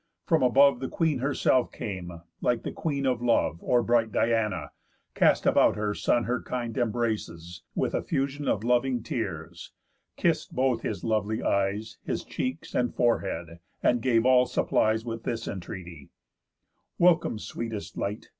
From above The Queen herself came, like the Queen of Love, Or bright Diana; cast about her son Her kind embraces, with effusión Of loving tears; kiss'd both his lovely eyes, His cheeks, and forehead; and gave all supplies With this entreaty; "Welcome, sweetest light!